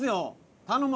頼む！